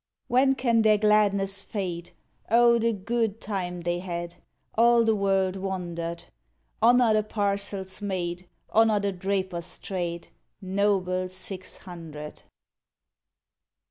When can their gladness fade ? O ! the good time they had ! All the world wondered. Honour the " parcels made ;" Honour the Drapers' Trade, Noble six hundred.